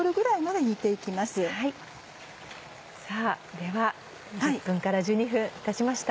では１０分から１２分たちました。